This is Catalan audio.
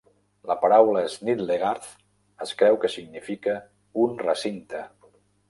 La paraula Snittlegarth es creu que significa un recinte.